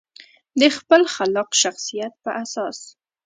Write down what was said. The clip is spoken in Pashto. د خپل خلاق شخصیت په اساس.